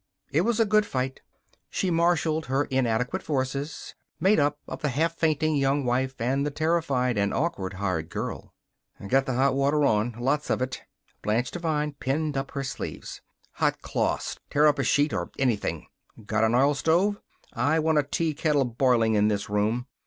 It was a good fight. She marshaled her inadequate forces, made up of the half fainting Young Wife and the terrified and awkward hired girl. "Get the hot water on lots of it!" Blanche Devine pinned up her sleeves. "Hot cloths! Tear up a sheet or anything! Got an oilstove? I want a tea kettle boiling in the room.